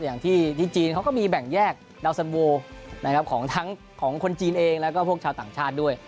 อย่างที่ที่จีนเขาก็มีแบ่งแยกดาวสันโวของทั้งของคนจีนเองแล้วก็พวกชาวต่างชาติด้วย